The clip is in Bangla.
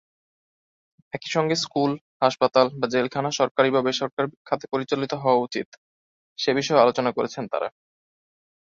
একই সঙ্গে স্কুল, হাসপাতাল বা জেলখানা সরকারি না বেসরকারি খাতে পরিচালিত হওয়া উচিত; সে বিষয়েও আলোচনা করেছেন তারা।